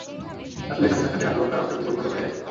রাসূলের সাথে সাক্ষাতের আগ্রহ তার অন্তরকে পরিপূর্ণ করে রেখেছিল।